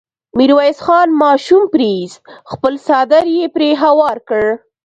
ميرويس خان ماشوم پرې ايست، خپل څادر يې پرې هوار کړ.